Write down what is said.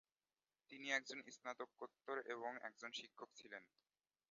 তিনি একজন স্নাতকোত্তর এবং একজন শিক্ষক ছিলেন।